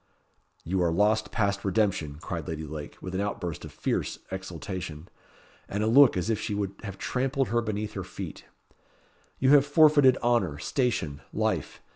"You are lost past redemption," cried Lady Lake with an outburst of fierce exultation, and a look as if she would have trampled her beneath her feet. "You have forfeited honour, station, life.